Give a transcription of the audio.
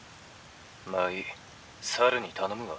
まあいい猿に頼むわ」。